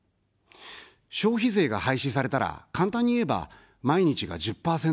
消費税が廃止されたら、簡単にいえば、毎日が１０％オフ。